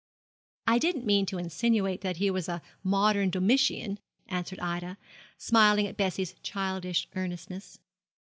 'I didn't mean to insinuate that he was a modern Domitian,' answered Ida, smiling at Bessie's childish earnestness.